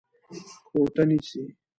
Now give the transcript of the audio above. کوټه نيسې؟